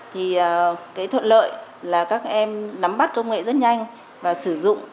thì cái thuận lợi là các em nắm bắt công nghệ rất nhanh và sử dụng